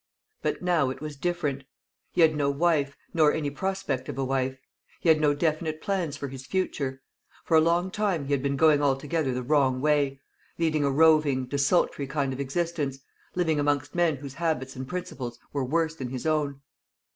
But now it was different. He had no wife, nor any prospect of a wife. He had no definite plans for his future. For a long time he had been going altogether the wrong way; leading a roving, desultory kind of existence; living amongst men whose habits and principles were worse than his own.